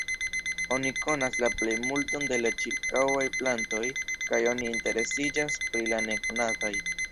Oni konas la plejmulton de la ĉirkaŭaj plantoj kaj oni interesiĝas pri la nekonataj.